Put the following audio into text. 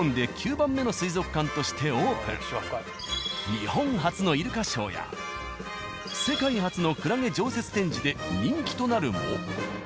日本初のイルカショーや世界初のクラゲ常設展示で人気となるも′